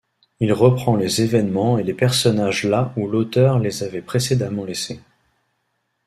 Il reprend les événements et les personnages là où l'auteur les avaient précédemment laissés.